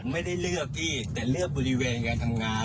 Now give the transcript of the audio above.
ไม่ได้เลือกพี่แต่เลือกบริเวณการทำงาน